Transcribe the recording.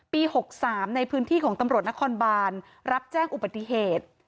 ๖๓ในพื้นที่ของตำรวจนครบานรับแจ้งอุบัติเหตุ